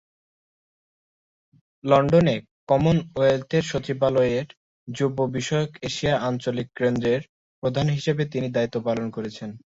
লন্ডনে কমনওয়েলথের সচিবালয়ের যুব বিষয়ক এশিয়া আঞ্চলিক কেন্দ্রের প্রধান হিসেবে তিনি দায়িত্ব পালন করেছেন।